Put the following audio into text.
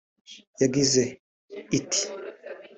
yagize iti